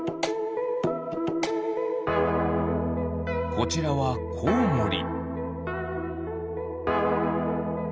こちらはコウモリ。